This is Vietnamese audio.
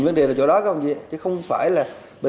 điều gì đang thay đổi công nghiệp công nghệ công tác phát triển